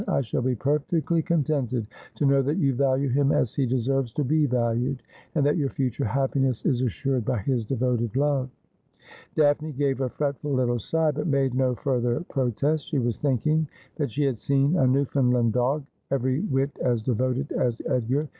' I shall be perfectly contented to know that you value him as he deserves to be valued, and that your future happiness is assured by his devoted love.' Daphne gave a fretful little sigh, but made no further pro test. She was thinking that she had seen a Newfoundland dog every whit as devoted as Edgar.